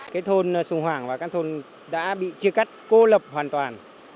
cái thôn sùng hoàng và các thôn đã bị chia cắt cô lập hoàn toàn